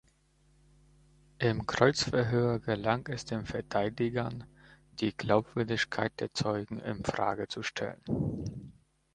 Im Kreuzverhör gelang es den Verteidigern, die Glaubwürdigkeit der Zeugen in Frage zu stellen.